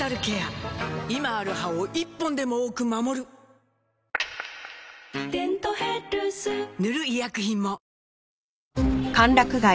今ある歯を１本でも多く守る「デントヘルス」塗る医薬品も